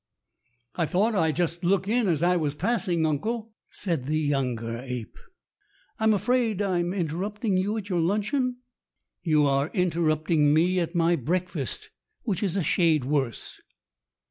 "I thought I'd just look in as I was passing, uncle," said the younger ape. "I'm afraid I'm interrupting you at your luncheon ?" "You are interrupting me at my breakfast, which is a shade worse."